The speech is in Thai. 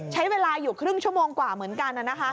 ใช้เวลาอยู่ครึ่งชั่วโมงกว่าเหมือนกัน